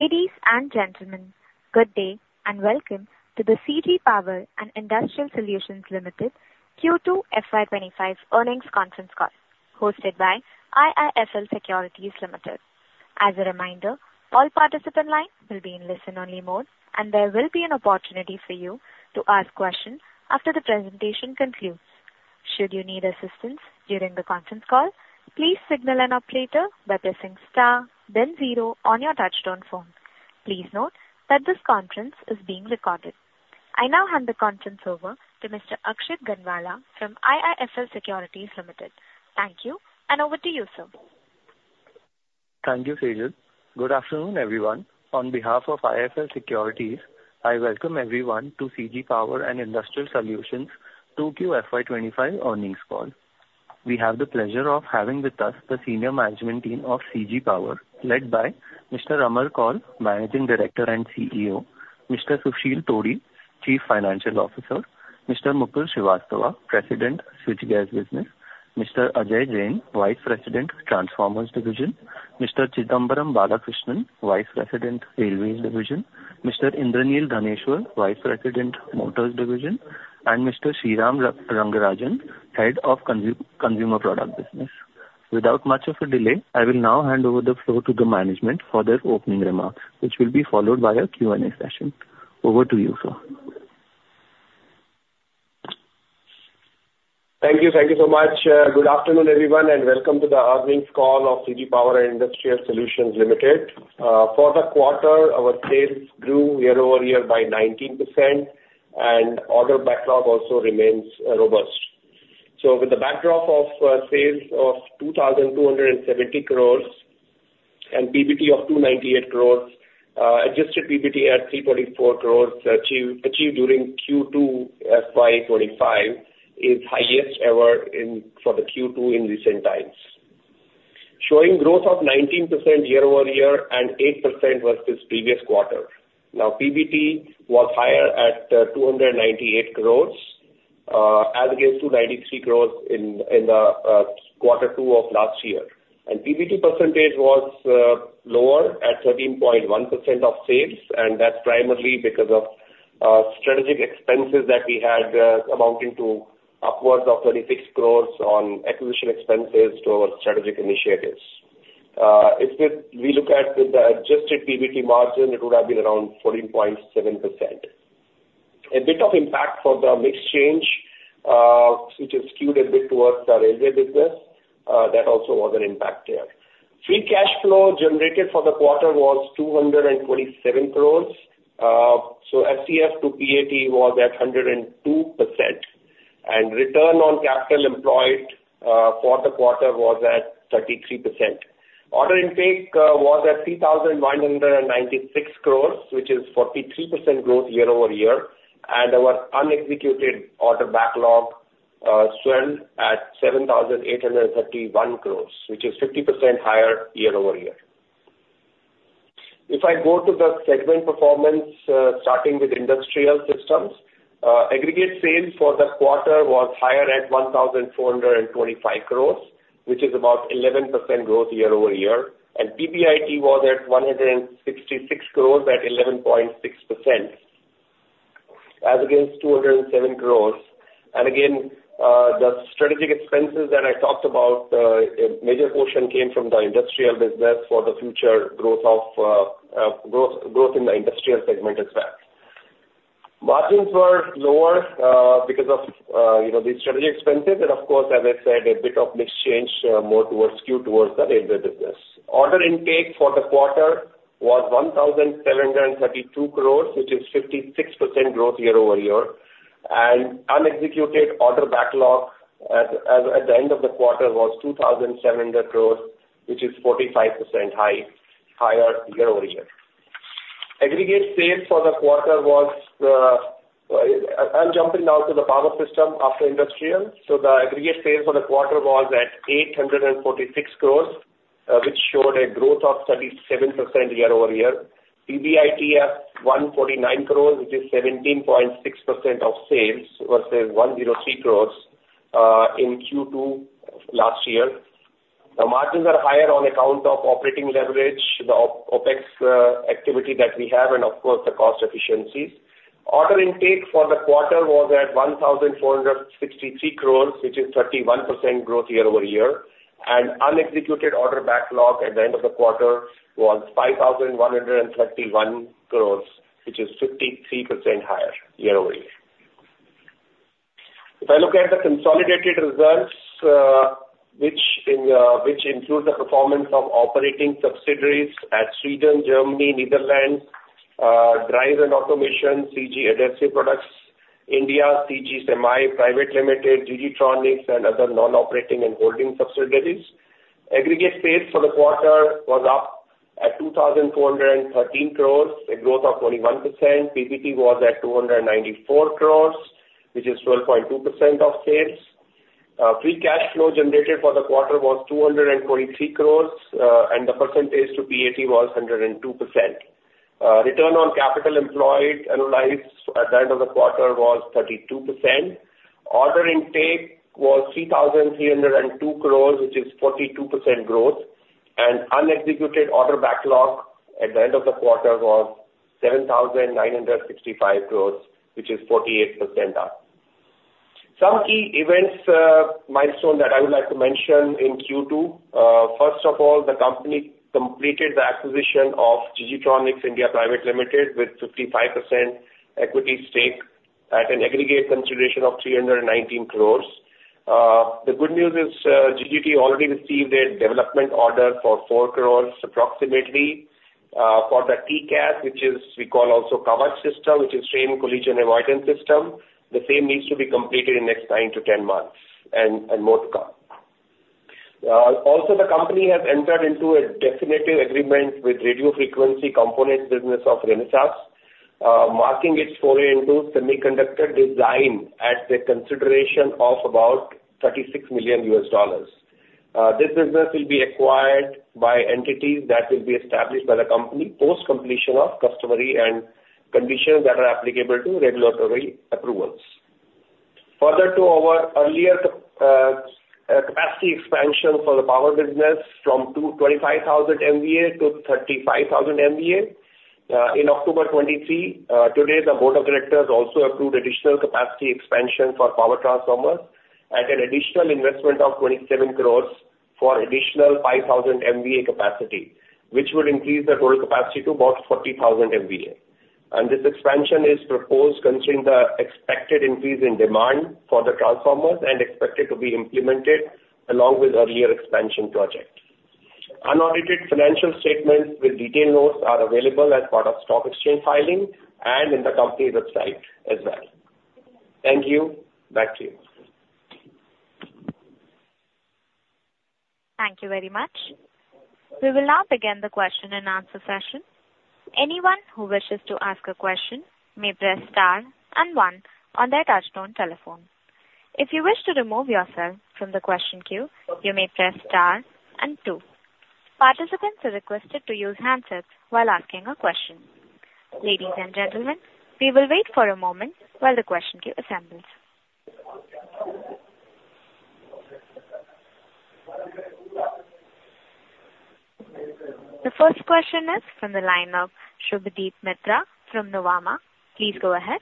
Ladies and gentlemen, good day, and welcome to the CG Power and Industrial Solutions Limited Q2 FY25 earnings conference call, hosted by IIFL Securities Limited. As a reminder, all participant lines will be in listen-only mode, and there will be an opportunity for you to ask questions after the presentation concludes. Should you need assistance during the conference call, please signal an operator by pressing star then zero on your touchtone phone. Please note that this conference is being recorded. I now hand the conference over to Mr. Akshit Gangwal from IIFL Securities Limited. Thank you, and over to you, sir. Thank you, Sejal. Good afternoon, everyone. On behalf of IIFL Securities, I welcome everyone to CG Power and Industrial Solutions 2Q FY 2025 earnings call. We have the pleasure of having with us the senior management team of CG Power, led by Mr. Amar Kaul, Managing Director and CEO, Mr. Susheel Todi, Chief Financial Officer, Mr. Mukul Srivastava, President, Switchgear Business. Mr. Ajay Jain, Vice President, Transformers Division, Mr. Chidambaram Balakrishnan, Vice President, Railways Division, Mr. Indraneel Dhaneshwar, Vice President, Motors Division, and Mr. Sriram Rangarajan, Head of Consumer Product Business. Without much of a delay, I will now hand over the floor to the management for their opening remarks, which will be followed by a Q&A session. Over to you, sir. Thank you. Thank you so much. Good afternoon, everyone, and welcome to the earnings call of CG Power and Industrial Solutions Limited. For the quarter, our sales grew year-over-year by 19%, and order backlog also remains robust, so with the backdrop of sales of 2,270 crores and PBT of 298 crores, adjusted PBT at 344 crores achieved during Q2 FY 2025, is highest ever for the Q2 in recent times. Showing growth of 19% year-over-year and 8% versus previous quarter. Now, PBT was higher at 298 crores, as against 293 crores in quarter two of last year. PBT percentage was lower at 13.1% of sales, and that's primarily because of strategic expenses that we had amounting to upwards of 36 crores on acquisition expenses to our strategic initiatives. If we look at the adjusted PBT margin, it would have been around 14.7%. A bit of impact for the mix change, which is skewed a bit towards the railway business, that also was an impact there. Free cash flow generated for the quarter was 227 crores. So FCF to PAT was at 102%, and return on capital employed quarter-to-quarter was at 33%. Order intake was at 3,996 crores, which is 43% growth year-over-year, and our unexecuted order backlog swelled at 7,831 crores, which is 50% higher year-over-year. If I go to the segment performance, starting with Industrial Systems, aggregate sales for the quarter was higher at 1,425 crores, which is about 11% growth year-over-year, and PBIT was at 166 crores at 11.6%, as against 207 crores. Again, the strategic expenses that I talked about, a major portion came from the industrial business for the future growth in the industrial segment as well. Margins were lower, because of, you know, the strategic expenses and of course, as I said, a bit of mix change, more towards skewed towards the railway business. Order intake for the quarter was 1,732 crores, which is 56% growth year-over-year and unexecuted order backlog at the end of the quarter was 2,700 crores, which is 45% higher year-over-year. Aggregate sales for the quarter was... I'm jumping now to the power system after industrial. So the aggregate sales for the quarter was at 846 crores, which showed a growth of 37% year-over-year. PBIT at 149 crores, which is 17.6% of sales versus 103 crores in Q2 last year. The margins are higher on account of operating leverage, the OpEx activity that we have, and of course, the cost efficiencies. Order intake for the quarter was at 1,463 crores, which is 31% growth year-over-year. Unexecuted order backlog at the end of the quarter was 5,131 crores, which is 53% higher year-over-year. If I look at the consolidated results, which includes the performance of operating subsidiaries at Sweden, Germany, Netherlands, Drives and Automation, CG Adhesives Products, India, CG Semi Private Limited, GG Tronics, and other non-operating and holding subsidiaries. Aggregate sales for the quarter was up at 2,413 crores, a growth of 21%. PBT was at 294 crores, which is 12.2% of sales. Free cash flow generated for the quarter was 243 crores, and the percentage to PAT was 102%. Return on capital employed annualized at the end of the quarter was 32%. Order intake was 3,302 crores, which is 42% growth, and unexecuted order backlog at the end of the quarter was 7,965 crores, which is 48% up. Some key events, milestone that I would like to mention in Q2. First of all, the company completed the acquisition of G.G. Tronics India Private Limited, with 55% equity stake at an aggregate consideration of 319 crores. The good news is, GGT already received a development order for 4 crore, approximately, for the TCAS, which is we call also Kavach system, which is train collision avoidance system. The same needs to be completed in next 9-10 months, and more to come. Also, the company has entered into a definitive agreement with radio frequency components business of Renesas, marking its foray into semiconductor design at the consideration of about $36 million. This business will be acquired by entities that will be established by the company post-completion of customary conditions that are applicable to regulatory approvals. Further to our earlier capacity expansion for the power business from 225,000 MVA to 35,000 MVA in October 2023, today, the board of directors also approved additional capacity expansion for power transformers at an additional investment of 27 crore for additional 5,000 MVA capacity, which would increase the total capacity to about 40,000 MVA. This expansion is proposed considering the expected increase in demand for the transformers and expected to be implemented along with earlier expansion project. Unaudited financial statements with detailed notes are available as part of stock exchange filing and in the company website as well. Thank you. Back to you. Thank you very much. We will now begin the question-and-answer session. Anyone who wishes to ask a question may press star and one on their touchtone telephone. If you wish to remove yourself from the question queue, you may press star and two. Participants are requested to use handsets while asking a question. Ladies and gentlemen, we will wait for a moment while the question queue assembles. The first question is from the line of Subhadip Mitra from Nuvama. Please go ahead.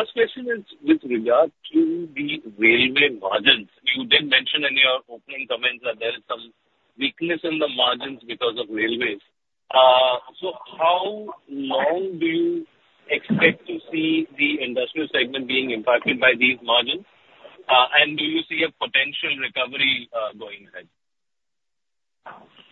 First question is with regard to the railway margins. You did mention in your opening comments that there is some weakness in the margins because of railways. So how long do you expect to see the industrial segment being impacted by these margins? And do you see a potential recovery, going ahead?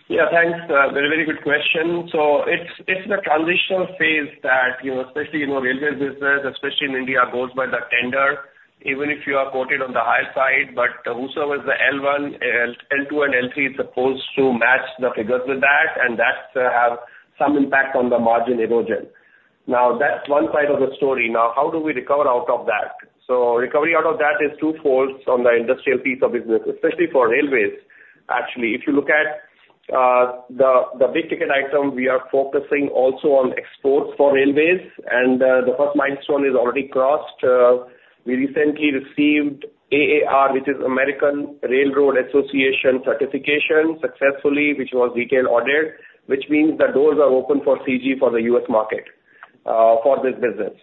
Yeah, thanks. Very, very good question. So it's in a transitional phase that, you know, especially in our railway business, especially in India, goes by the tender, even if you are quoted on the higher side, but whosoever is the L1, L2 and L3 is supposed to match the figures with that, and that's have some impact on the margin erosion. Now, that's one side of the story. Now, how do we recover out of that? So recovery out of that is twofold on the industrial piece of business, especially for railways. Actually, if you look at the, the big ticket item, we are focusing also on exports for railways, and the first milestone is already crossed. We recently received AAR, which is Association of American Railroads certification, successfully, which was detailed audit, which means the doors are open for CG for the U.S. market for this business.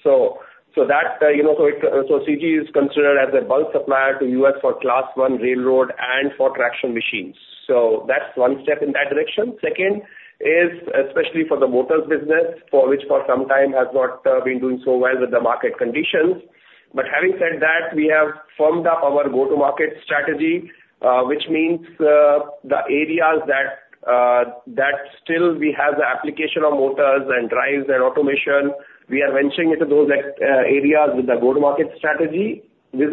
So that, you know, so CG is considered as a bulk supplier to U.S. for Class I Railroad and for traction machines. So that's one step in that direction. Second is especially for the motors business, which for some time has not been doing so well with the market conditions. But having said that, we have firmed up our go-to-market strategy, which means the areas that still we have the application of motors and drives and automation, we are venturing into those areas with the go-to-market strategy. We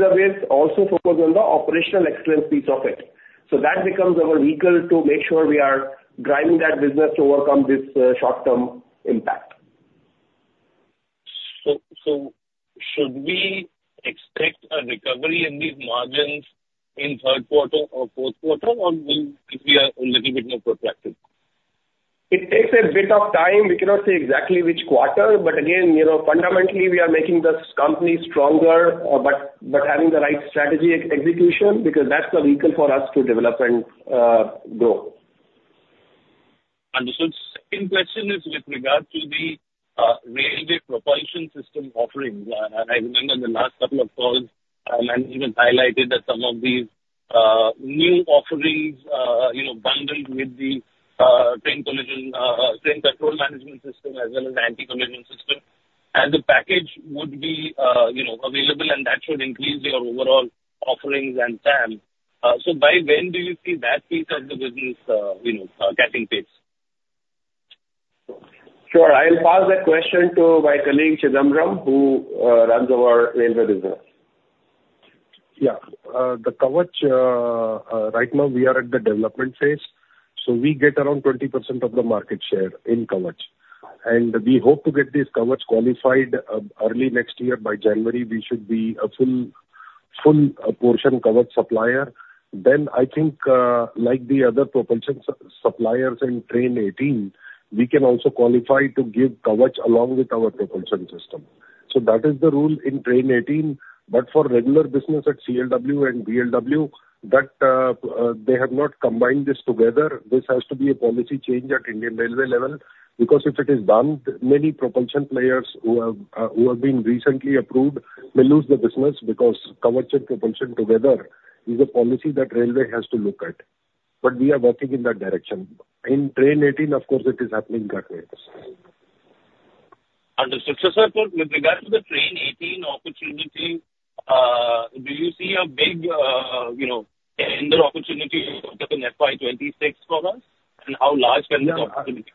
also focus on the operational excellence piece of it. So that becomes our vehicle to make sure we are driving that business to overcome this short-term impact. So, should we expect a recovery in these margins in third quarter or fourth quarter, or will we be a little bit more proactive? It takes a bit of time. We cannot say exactly which quarter, but again, you know, fundamentally, we are making this company stronger by having the right strategy and execution, because that's the vehicle for us to develop and, grow. Understood. Second question is with regard to the railway propulsion system offerings. I remember the last couple of calls, and even highlighted that some of these new offerings, you know, bundled with the train collision train control management system as well as anti-collision system, and the package would be, you know, available, and that should increase your overall offerings and TAM. So by when do you see that piece of the business, you know, getting pace? Sure. I'll pass that question to my colleague, Chidambaram, who runs our railway business. Yeah. The Kavach, right now we are at the development phase, so we get around 20% of the market share in Kavach, and we hope to get this Kavach qualified, early next year. By January, we should be a full portion coverage supplier, then I think, like the other propulsion suppliers in Train-18, we can also qualify to give coverage along with our propulsion system. So that is the rule in Train-18, but for regular business at CLW and BLW, that they have not combined this together. This has to be a policy change at Indian Railways level, because if it is done, many propulsion players who have been recently approved may lose the business because coverage and propulsion together is a policy that Railways has to look at, but we are working in that direction. In Train-18, of course, it is happening that way. Sure, sir, with regards to the Train-18 opportunity, do you see a big, you know, tender opportunity in FY 2026 for us, and how large can the opportunity be?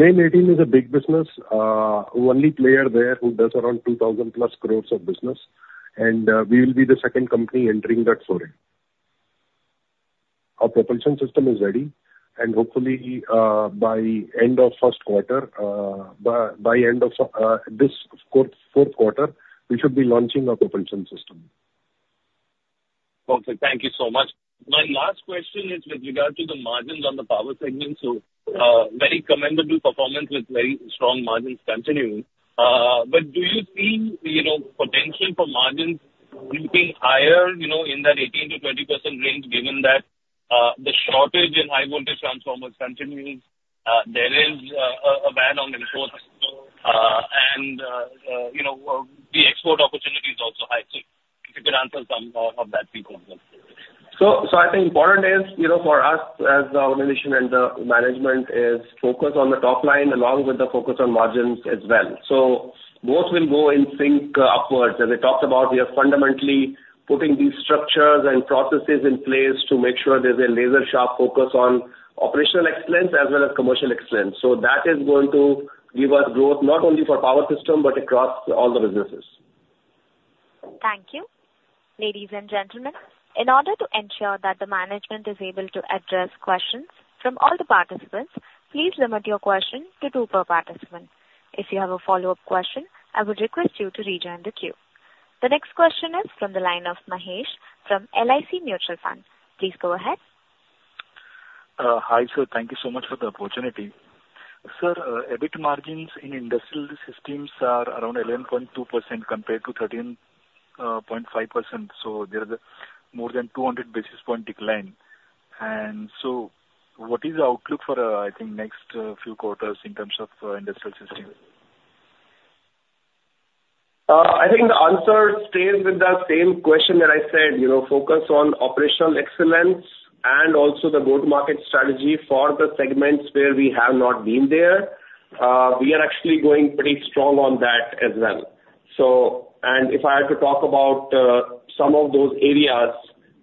Train-18 is a big business. Only player there who does around 2000 plus crores of business, and we will be the second company entering that story. Our propulsion system is ready, and hopefully, by end of this fourth quarter, we should be launching our propulsion system. Okay, thank you so much. My last question is with regard to the margins on the power segment. So, very commendable performance with very strong margins continuing, but do you see, you know, potential for margins leaping higher? You know, in that 18%-20% range, given that, the shortage in high voltage transformers continues, there is a ban on imports, and, you know, the export opportunity is also high. So if you could answer some of that piece of it. So I think important is, you know, for us as the organization and the management, is focus on the top line, along with the focus on margins as well. So both will go in sync, upwards. As I talked about, we are fundamentally putting these structures and processes in place to make sure there's a laser-sharp focus on operational excellence as well as commercial excellence. So that is going to give us growth not only for power system, but across all the businesses. Thank you. Ladies and gentlemen, in order to ensure that the management is able to address questions from all the participants, please limit your question to two per participant. If you have a follow-up question, I would request you to rejoin the queue. The next question is from the line of Mahesh, from LIC Mutual Fund. Please go ahead. Hi, sir. Thank you so much for the opportunity. Sir, EBIT margins in Industrial Systems are around 11.2% compared to 13.5%, so there is a more than 200 basis point decline. So what is the outlook for, I think, next few quarters in terms of Industrial Systems? I think the answer stays with the same question that I said, you know, focus on operational excellence and also the go-to-market strategy for the segments where we have not been there. We are actually going pretty strong on that as well. If I had to talk about some of those areas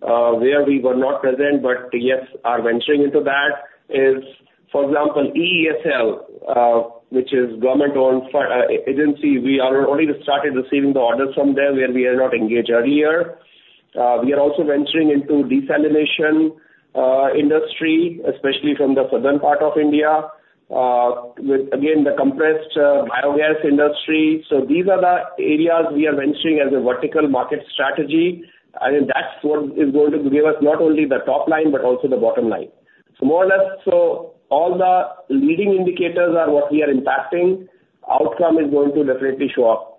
where we were not present, but yes, are venturing into that is, for example, EESL, which is government-owned agency. We are only started receiving the orders from them, where we are not engaged earlier. We are also venturing into desalination industry, especially from the southern part of India, with, again, the compressed biogas industry. So these are the areas we are venturing as a vertical market strategy, and that's what is going to give us not only the top line, but also the bottom line. So more or less, so all the leading indicators are what we are impacting, outcome is going to definitely show up.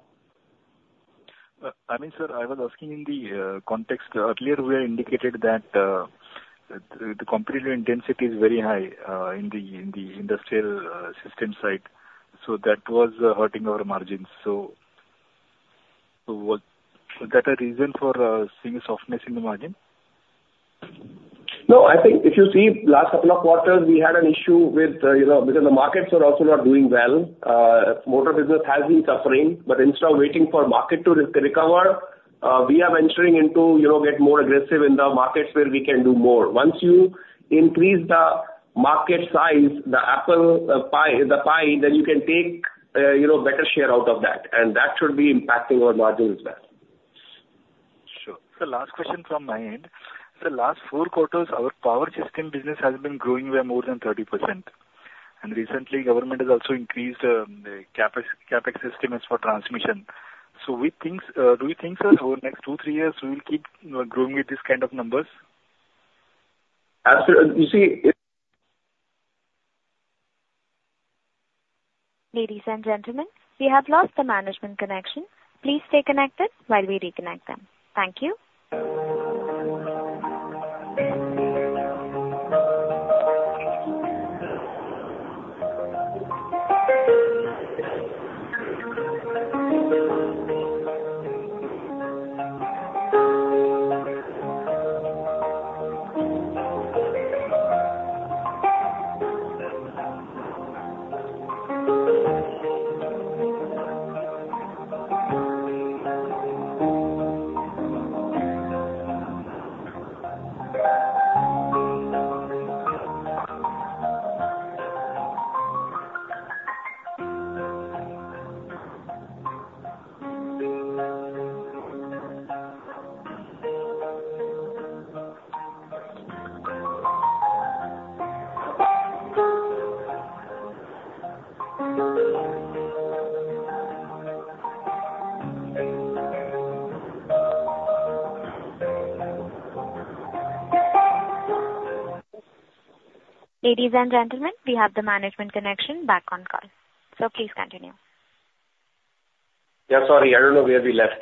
I mean, sir, I was asking in the context. Earlier, we had indicated that the competitive intensity is very high in the Industrial Systems side, so that was hurting our margins. So was that a reason for seeing a softness in the margin? No, I think if you see last couple of quarters, we had an issue with, you know, because the markets are also not doing well. Motor business has been suffering, but instead of waiting for market to recover, we are venturing into, you know, get more aggressive in the markets where we can do more. Once you increase the market size, the apple pie, the pie, then you can take, you know, better share out of that, and that should be impacting our margins as well. Sure. So last question from my end. Sir, last four quarters, our power system business has been growing by more than 30%, and recently, government has also increased the CapEx estimates for transmission. So we think, do you think, sir, over the next two, three years, we will keep growing with this kind of numbers? As you see, it- Ladies and gentlemen, we have lost the management connection. Please stay connected while we reconnect them. Thank you. Ladies and gentlemen, we have the management connection back on call. So please continue. Yeah, sorry, I don't know where we left.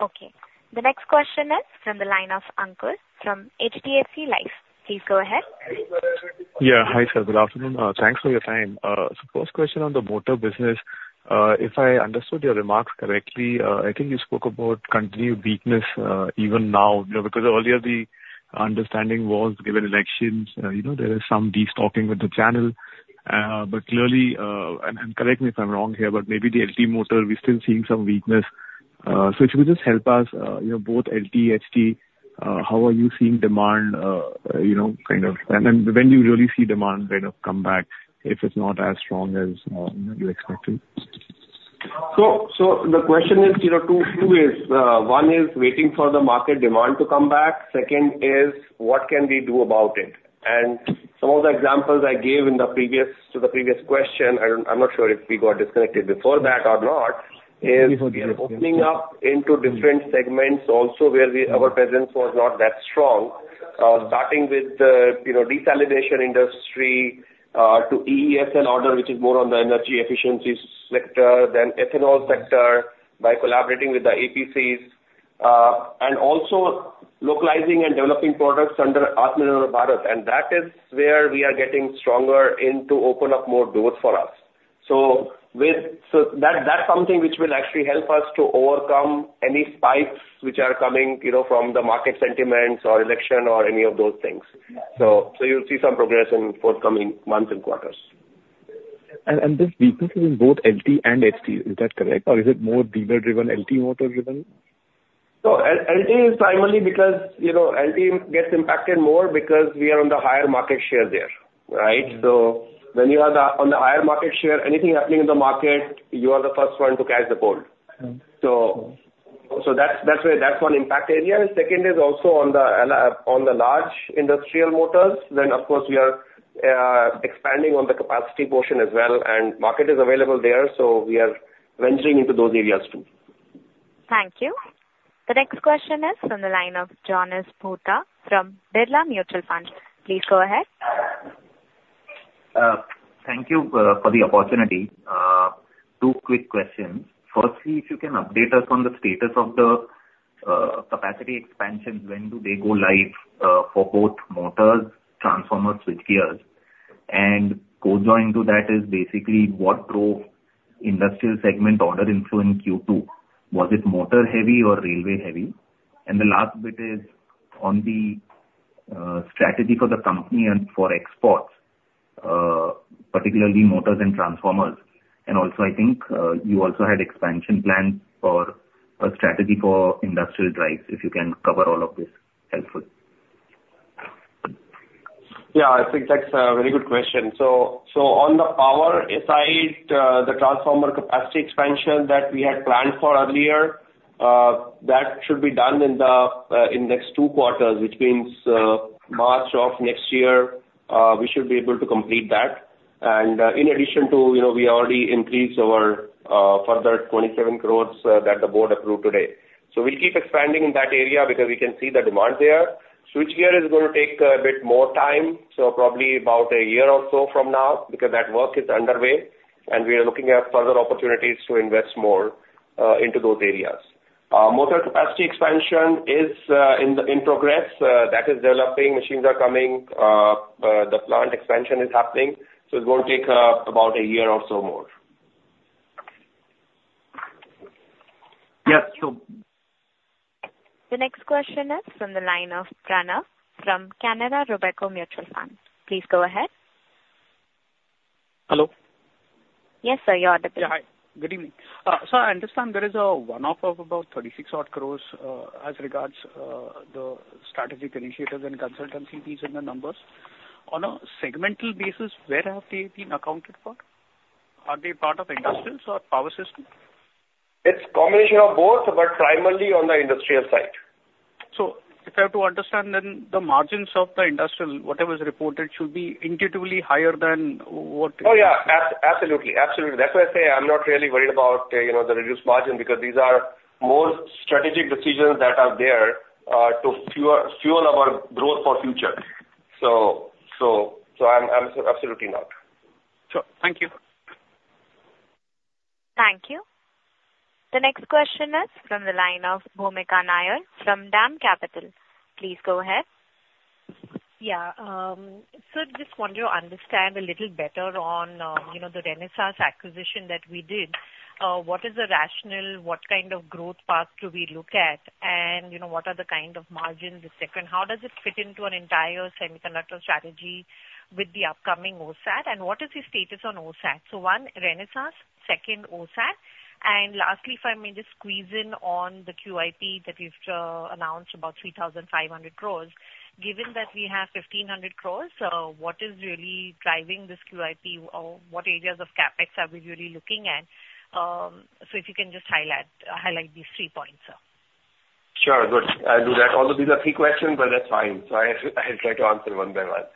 Okay. The next question is from the line of Ankur from HDFC Life. Please go ahead. Yeah. Hi, sir. Good afternoon. Thanks for your time. So first question on the motor business. If I understood your remarks correctly, I think you spoke about continued weakness, even now, you know, because earlier the understanding was given elections, you know, there is some destocking with the channel. But clearly, and correct me if I'm wrong here, but maybe the LT motor, we're still seeing some weakness. So if you would just help us, you know, both LT, HT, how are you seeing demand, you know, kind of, and then when you really see demand kind of come back, if it's not as strong as you expected? The question is, you know, two, one is waiting for the market demand to come back. Second is what can we do about it? Some of the examples I gave in the previous to the previous question, I'm not sure if we got disconnected before that or not, is we are opening up into different segments also where our presence was not that strong. Starting with the, you know, desalination industry, to EESL order, which is more on the energy efficiency sector, then ethanol sector, by collaborating with the EPCs, and also localizing and developing products under Atmanirbhar Bharat, and that is where we are getting stronger in to open up more doors for us. So that's something which will actually help us to overcome any spikes which are coming, you know, from the market sentiments or election or any of those things. So you'll see some progress in forthcoming months and quarters. This weakness is in both LT and HT, is that correct? Or is it more dealer-driven, LT motor-driven? So LT is primarily because, you know, LT gets impacted more because we are on the higher market share there, right? So when you are the, on the higher market share, anything happening in the market, you are the first one to catch the ball. So that's where, that's one impact area. Second is also on the large industrial motors, then of course, we are expanding on the capacity portion as well, and market is available there, so we are venturing into those areas too. Thank you. The next question is from the line of Jonas Bhutta from Birla Mutual Fund. Please go ahead. Thank you for the opportunity. Two quick questions. Firstly, if you can update us on the status of the capacity expansions, when do they go live for both motors, transformers, switchgears? Co-joined to that is basically what drove industrial segment order inflow in Q2. Was it motor heavy or railway heavy? The last bit is on the strategy for the company and for exports, particularly motors and transformers. Also, I think you also had expansion plans for a strategy for industrial drives, if you can cover all of this, helpful. Yeah, I think that's a very good question. So on the power side, the transformer capacity expansion that we had planned for earlier, that should be done in the next two quarters, which means, March of next year, we should be able to complete that. In addition to, you know, we already increased our further 27 crores, that the board approved today. So we keep expanding in that area because we can see the demand there. Switchgear is going to take a bit more time, so probably about a year or so from now, because that work is underway, and we are looking at further opportunities to invest more into those areas. Motor capacity expansion is in progress. That is developing, machines are coming, the plant expansion is happening, so it will take about a year or so more. Yes, sure. The next question is from the line of Pranav from Canara Robeco Mutual Fund. Please go ahead. Hello? Yes, sir, you're on the line. Yeah, hi. Good evening. So I understand there is a one-off of about 36 odd crores as regards the strategic initiatives and consultancy fees in the numbers. On a segmental basis, where have they been accounted for? Are they part of industrial systems or power systems? It's a combination of both, but primarily on the industrial side. So if I have to understand then, the margins of the industrial, whatever is reported, should be intuitively higher than what- Oh, yeah, absolutely, absolutely. That's why I say I'm not really worried about, you know, the reduced margin, because these are more strategic decisions that are there, to fuel, fuel our growth for future. So, so, so I'm, I'm absolutely not. Sure. Thank you. Thank you. The next question is from the line of Bhoomika Nair from DAM Capital. Please go ahead. Yeah, so just want to understand a little better on, you know, the Renesas acquisition that we did. What is the rationale? What kind of growth path do we look at and, you know, what are the kind of margins at stake, and how does it fit into an entire semiconductor strategy with the upcoming OSAT, and what is the status on OSAT? So one, Renesas, second, OSAT, and lastly, if I may just squeeze in on the QIP that you've announced about 3,500 crores. Given that we have 1,500 crores, what is really driving this QIP, or what areas of CapEx are we really looking at? So if you can just highlight these three points. Sure, good. I'll do that. Although these are three questions, but that's fine. So I'll try to answer one by one.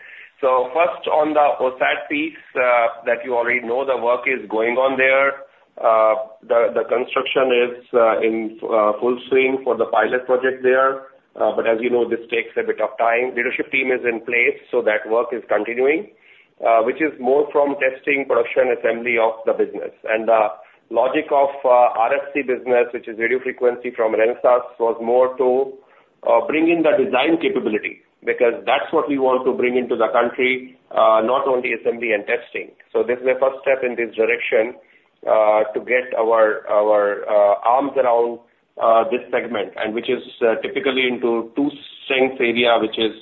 So first, on the OSAT piece, that you already know the work is going on there. The construction is in full swing for the pilot project there. But as you know, this takes a bit of time. Leadership team is in place, so that work is continuing, which is more from testing production assembly of the business. The logic of RFC business, which is radio frequency from Renesas, was more to bring in the design capability, because that's what we want to bring into the country, not only assembly and testing. So this is a first step in this direction, to get our arms around this segment, and which is typically into two strength areas, which is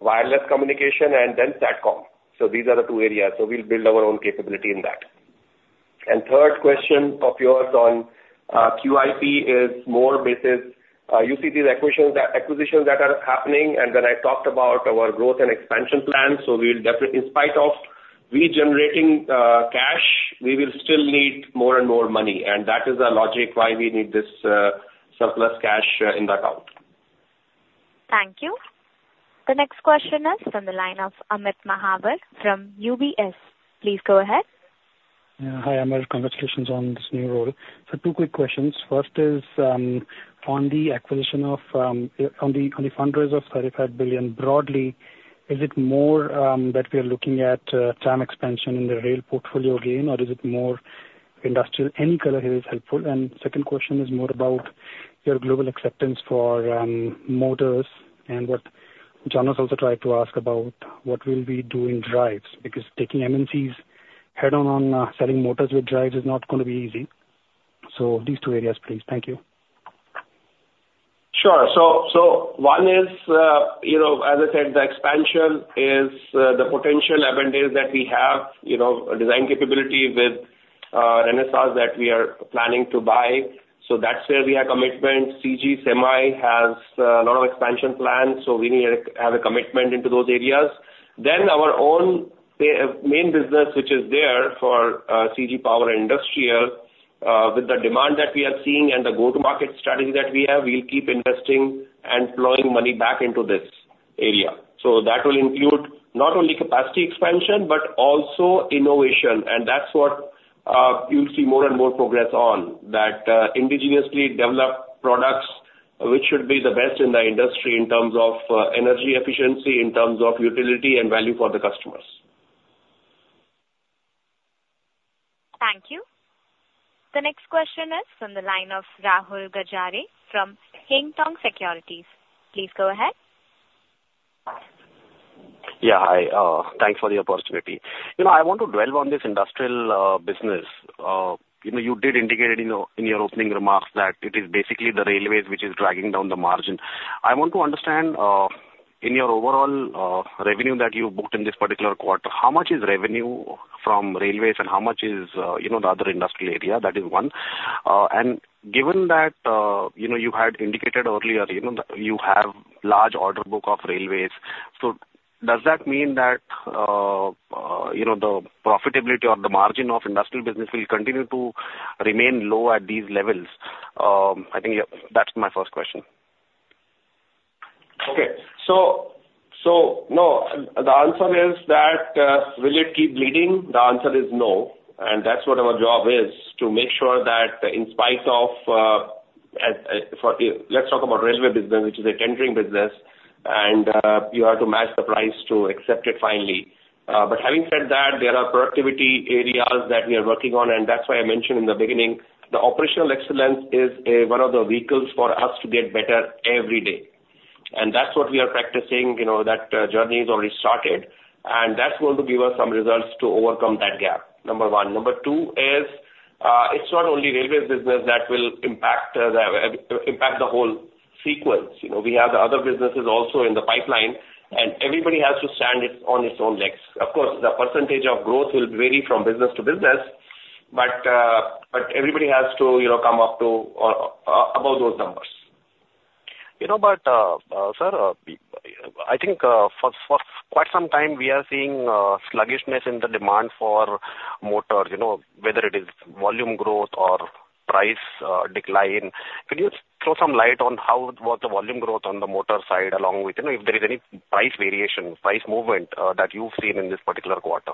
wireless communication and then SATCOM. So these are the two areas, so we'll build our own capability in that. Third question of yours on QIP is more basis you see these acquisitions that are happening, and then I talked about our growth and expansion plans, so we'll definitely in spite of generating cash, we will still need more and more money, and that is the logic why we need this surplus cash in the account. Thank you. The next question is from the line of Amit Mahajan from UBS. Please go ahead. Hi, Amit. Congratulations on this new role. So two quick questions. First is on the fundraise of 35 billion. Broadly, is it more that we are looking at team expansion in the rail portfolio again, or is it more industrial? Any color here is helpful. Second question is more about your global acceptance for motors and what Jonas was also trying to ask about, what we'll be doing drives, because taking MNCs head-on on selling motors with drives is not gonna be easy. So these two areas, please. Thank you. Sure. So, so one is, you know, as I said, the expansion is, the potential advantage that we have, you know, a design capability with, Renesas that we are planning to buy. So that's where we have commitment. CG Semi has, a lot of expansion plans, so we need to have a commitment into those areas. Then our own main business, which is therefore, CG Power and Industrial, with the demand that we are seeing and the go-to-market strategy that we have, we'll keep investing and plowing money back into this area. So that will include not only capacity expansion, but also innovation, and that's what you'll see more and more progress on. That indigenously developed products, which should be the best in the industry in terms of, energy efficiency, in terms of utility and value for the customers. Thank you. The next question is from the line of Rahul Gajare from Haitong International Securities. Please go ahead. Yeah. Hi, thanks for the opportunity. You know, I want to dwell on this industrial business. You know, you did indicate in your opening remarks that it is basically the railways which is dragging down the margin. I want to understand in your overall revenue that you booked in this particular quarter, how much is revenue from railways and how much is, you know, the other industrial area? That is one. Given that, you know, you had indicated earlier, you know, that you have large order book of railways, so does that mean that, you know, the profitability or the margin of industrial business will continue to remain low at these levels? I think that's my first question. Okay. So no, the answer is that will it keep bleeding? The answer is no, and that's what our job is, to make sure that in spite of. Let's talk about railway business, which is a tendering business, and you have to match the price to accept it finally. But having said that, there are productivity areas that we are working on, and that's why I mentioned in the beginning, the operational excellence is one of the vehicles for us to get better every day and that's what we are practicing, you know, that journey is already started, and that's going to give us some results to overcome that gap, number one. Number two is, it's not only railway business that will impact the whole sequence. You know, we have the other businesses also in the pipeline, and everybody has to stand it on its own legs. Of course, the percentage of growth will vary from business to business, but everybody has to, you know, come up to above those numbers. You know, but, sir, I think, for quite some time, we are seeing sluggishness in the demand for motors, you know, whether it is volume growth or price decline. Can you throw some light on how was the volume growth on the motor side, along with, you know, if there is any price variation, price movement, that you've seen in this particular quarter?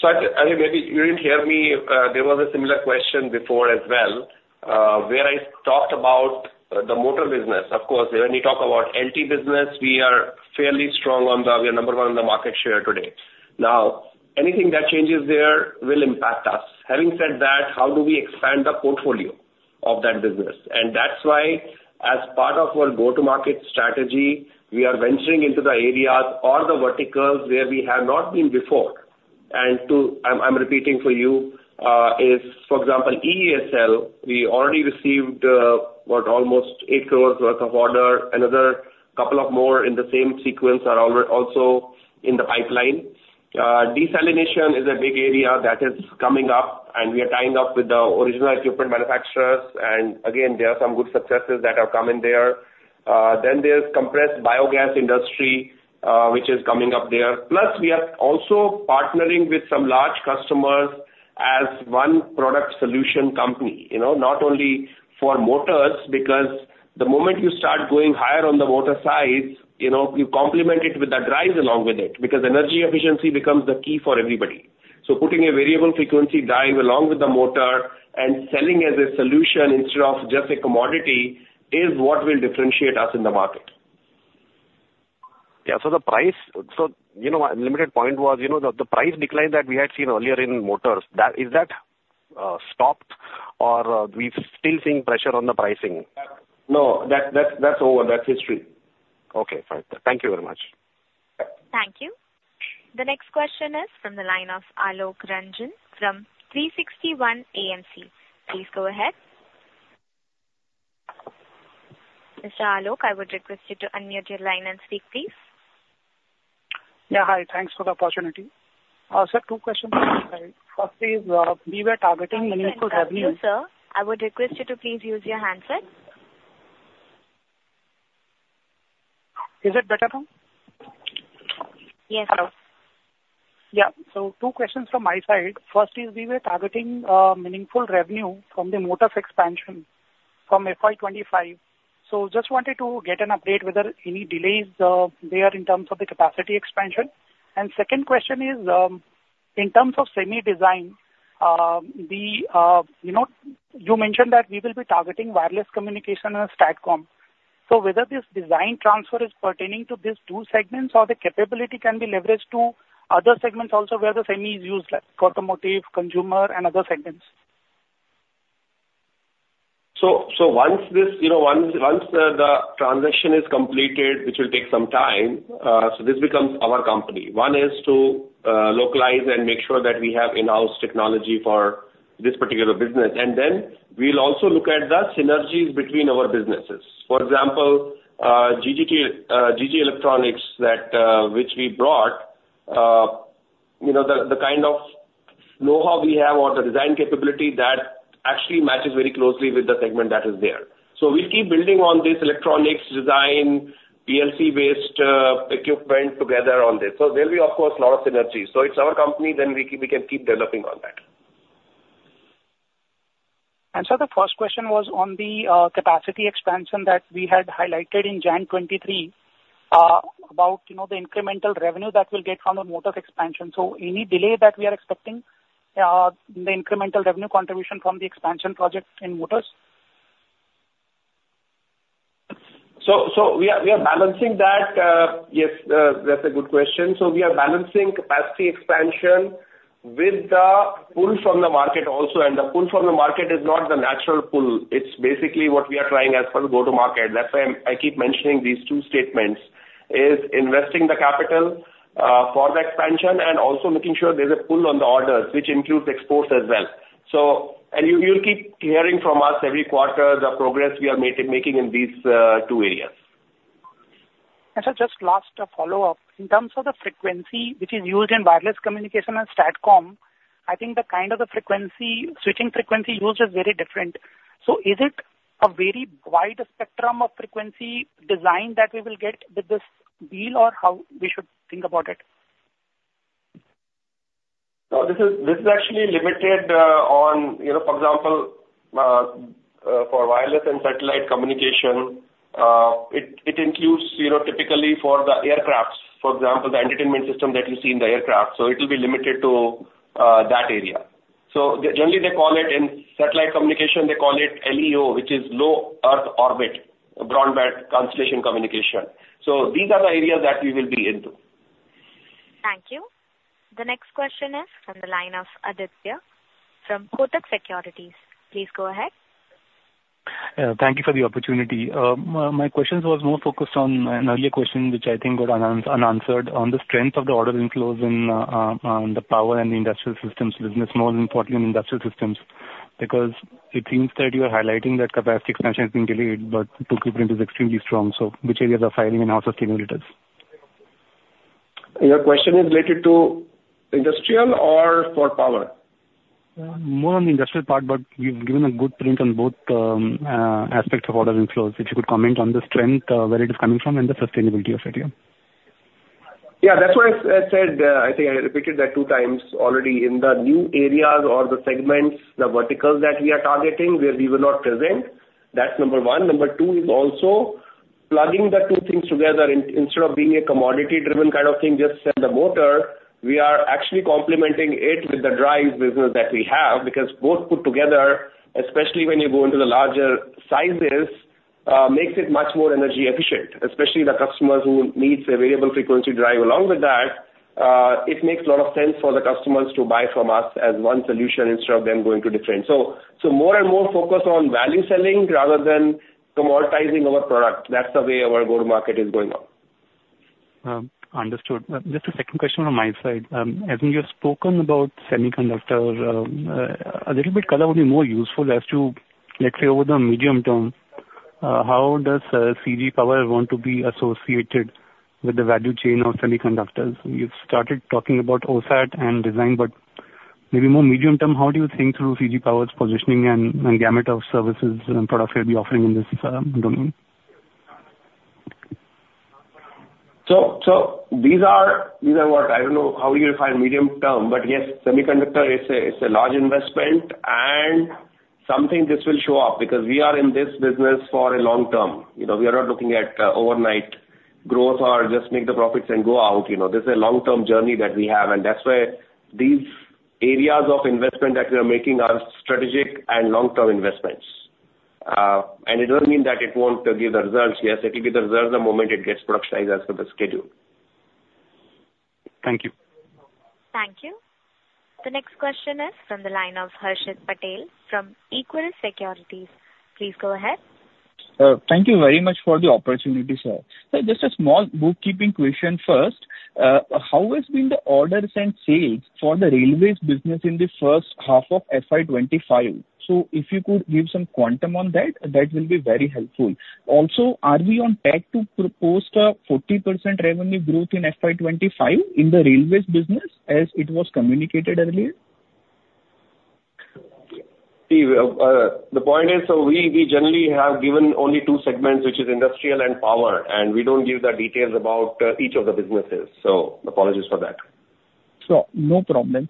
So I maybe you didn't hear me. There was a similar question before as well, where I talked about the motor business. Of course, when we talk about LT business, we are fairly strong, we are number one in the market share today. Now, anything that changes there will impact us. Having said that, how do we expand the portfolio of that business? That's why, as part of our go-to-market strategy, we are venturing into the areas or the verticals where we have not been before and to, I'm repeating for you, for example, EESL, we already received what? Almost 8 crores worth of order. Another couple of more in the same sequence are also in the pipeline. Desalination is a big area that is coming up, and we are tying up with the original equipment manufacturers. Again, there are some good successes that have come in there. Then there's compressed biogas industry, which is coming up there. Plus, we are also partnering with some large customers as one product solution company, you know, not only for motors, because the moment you start going higher on the motor size, you know, you complement it with the drive along with it, because energy efficiency becomes the key for everybody. So putting a variable frequency drive along with the motor and selling as a solution instead of just a commodity is what will differentiate us in the market. Yeah, so the price, so, you know, my limited point was, you know, the price decline that we had seen earlier in motors, that is that stopped or are we still seeing pressure on the pricing? No, that's over. That's history. Okay. Fine. Thank you very much. Thank you. The next question is from the line of Alok Ranjan from 360 AMC. Please go ahead. Mr. Alok, I would request you to unmute your line and speak, please. Yeah, hi. Thanks for the opportunity. Sir, two questions. First is, we were targeting meaningful revenue- Sir, I would request you to please use your handset. Is it better now? Yes. Yeah. So two questions from my side. First is, we were targeting meaningful revenue from the motors expansion from FY25. So just wanted to get an update, whether any delays there in terms of the capacity expansion. Second question is, in terms of semi design, you know, you mentioned that we will be targeting wireless communication and SATCOM. So whether this design transfer is pertaining to these two segments, or the capability can be leveraged to other segments also where the semi is used, like automotive, consumer, and other segments? So once this, you know, once the transaction is completed, which will take some time, so this becomes our company. One is to localize and make sure that we have in-house technology for this particular business, and then we'll also look at the synergies between our businesses. For example, G.G. Tronics, which we brought, you know, the kind of know-how we have or the design capability, that actually matches very closely with the segment that is there. So we'll keep building on this electronics design, PLC-based equipment together on this. So there'll be, of course, a lot of synergies. So it's our company, then we can keep developing on that. So the first question was on the capacity expansion that we had highlighted in January 2023, about, you know, the incremental revenue that we'll get from the motors expansion. So any delay that we are expecting, the incremental revenue contribution from the expansion project in motors? So we are balancing that. Yes, that's a good question. So we are balancing capacity expansion with the pull from the market also, and the pull from the market is not the natural pull. It's basically what we are trying as per go-to-market. That's why I keep mentioning these two statements, is investing the capital for the expansion and also making sure there's a pull on the orders, which includes exports as well, and you, you'll keep hearing from us every quarter, the progress we are making in these two areas. So, just last, a follow-up. In terms of the frequency, which is used in wireless communication and SATCOM, I think the kind of the frequency, switching frequency used is very different. So is it a very wide spectrum of frequency design that we will get with this deal, or how we should think about it? No, this is actually limited on, you know, for example, for wireless and satellite communication, it includes, you know, typically for the aircrafts, for example, the entertainment system that you see in the aircraft, so it will be limited to that area. So generally, they call it, in satellite communication, they call it LEO, which is low earth orbit, broadband constellation communication. So these are the areas that we will be into. Thank you. The next question is from the line of Aditya from Kotak Securities. Please go ahead. Thank you for the opportunity. My question was more focused on an earlier question, which I think was unanswered, on the strength of the order inflows in the power and the industrial systems business, more importantly on industrial systems, because it seems that you are highlighting that capacity expansion has been delayed, but book footprint is extremely strong. So which areas are firing and how sustainable it is? Your question is related to industrial or for power? More on the industrial part, but you've given a good print on both aspects of orders inflows. If you could comment on the strength, where it is coming from and the sustainability of it, yeah. Yeah, that's why I said, I think I repeated that two times already. In the new areas or the segments, the verticals that we are targeting, where we were not present, that's number one. Number two is also plugging the two things together. Instead of being a commodity-driven kind of thing, just sell the motor, we are actually complementing it with the drive business that we have, because both put together, especially when you go into the larger sizes, makes it much more energy efficient, especially the customers who needs a variable frequency drive. Along with that, it makes a lot of sense for the customers to buy from us as one solution instead of them going to different. So more and more focus on value selling rather than commoditizing our product. That's the way our go-to-market is going on. Understood. Just a second question on my side. As you have spoken about semiconductors, a little bit color would be more useful as to, let's say, over the medium term, how does CG Power want to be associated with the value chain of semiconductors? You've started talking about OSAT and design, but maybe more medium term, how do you think through CG Power's positioning and gamut of services and product will be offering in this domain? So these are what I don't know how you define medium term, but yes, semiconductor is a large investment and something this will show up because we are in this business for a long term. You know, we are not looking at overnight growth or just make the profits and go out, you know. This is a long-term journey that we have, and that's why these areas of investment that we are making are strategic and long-term investments. It doesn't mean that it won't give the results. Yes, it will give the results the moment it gets productionized as per the schedule. Thank you. Thank you. The next question is from the line of Harshit Patel from Equirus Securities. Please go ahead. Thank you very much for the opportunity, sir. So just a small bookkeeping question first. How has been the orders and sales for the railways business in the first half of FY 2025? So if you could give some quantum on that, that will be very helpful. Also, are we on track to propose a 40% revenue growth in FY 2025 in the railways business, as it was communicated earlier? See, the point is, so we generally have given only two segments, which is industrial and power, and we don't give the details about each of the businesses, so apologies for that. So no problem.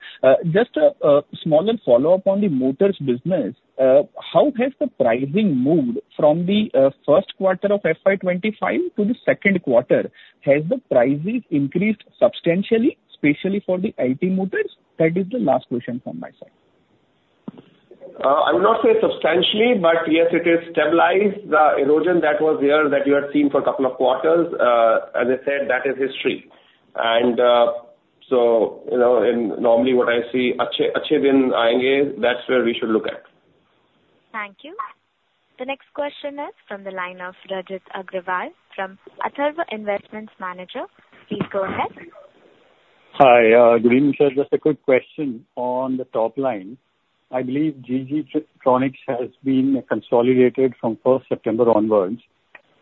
Just a small follow-up on the motors business. How has the pricing moved from the first quarter of FY 2025 to the second quarter? Has the pricing increased substantially, especially for the LT motors? That is the last question from my side. I would not say substantially, but yes, it is stabilized. The erosion that was there, that you had seen for a couple of quarters, as I said, that is history. So, you know, and normally what I see, that's where we should look at. Thank you. The next question is from the line of Rajat Agarwal from Atharva Investment Managers. Please go ahead. Hi, good evening, sir. Just a quick question on the top line. I believe G.G. Tronics has been consolidated from first September onwards.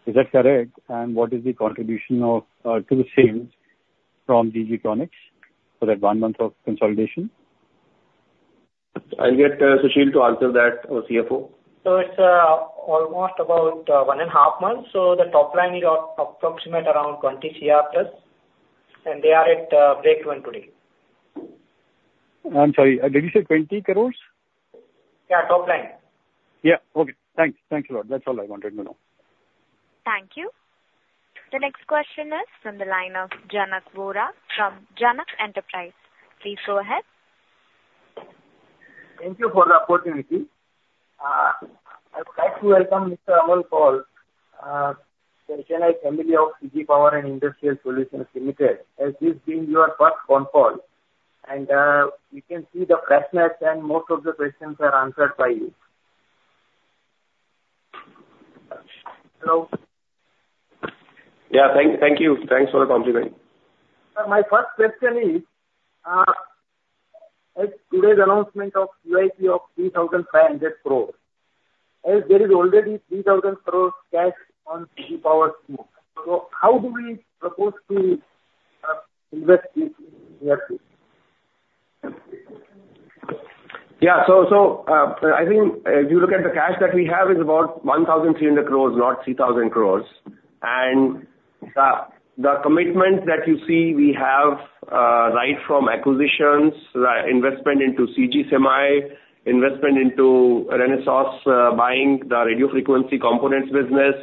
Is that correct, and what is the contribution of, to the sales from G.G. Tronics for that one month of consolidation? I'll get Sushil to answer that, our CFO. It's almost about one and a half months. The top line is approximate around 20 cr+, and they are at break-even today. I'm sorry, did you say 20 crores? Yeah, top line. Yeah. Okay. Thanks. Thanks a lot. That's all I wanted to know. Thank you. The next question is from the line of Janak Vora from Janak Enterprise. Please go ahead. Thank you for the opportunity. I'd like to welcome Mr. Amar Kaul to the family of CG Power and Industrial Solutions Limited, as this being your first con call, and we can see the freshness and most of the questions are answered by you. Hello? Yeah. Thank you. Thanks for the compliment. My first question is, as today's announcement of QIP of 3,500 crores, as there is already 3,000 crores cash on CG Power's books, so how do we propose to invest this QIP? Yeah, so I think as you look at the cash that we have is about 1,300 crores, not 3,000 crores, and the commitment that you see we have right from acquisitions, investment into CG Semi, investment into Renesas, buying the radio frequency components business,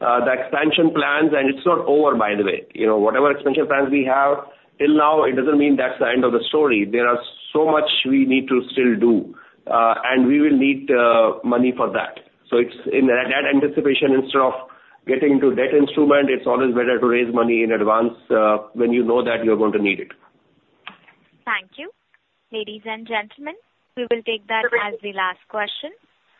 the expansion plans, and it's not over, by the way. You know, whatever expansion plans we have till now, it doesn't mean that's the end of the story. There are so much we need to still do, and we will need money for that. So it's in that anticipation, instead of getting into debt instrument, it's always better to raise money in advance when you know that you're going to need it. Thank you. Ladies and gentlemen, we will take that as the last question.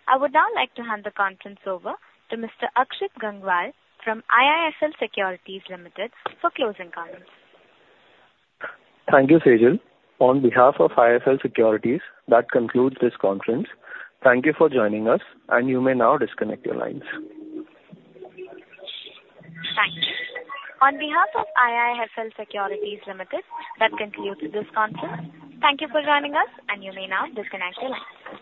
I would now like to hand the conference over to Mr. Akshit Gangwal from IIFL Securities Limited for closing comments. Thank you, Sejal. On behalf of IIFL Securities, that concludes this conference. Thank you for joining us, and you may now disconnect your lines. Thank you. On behalf of IIFL Securities Limited, that concludes this conference. Thank you for joining us, and you may now disconnect your lines.